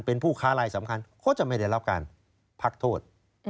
เป็นผู้ค้ารายสำคัญเขาจะไม่ได้รับการพักโทษ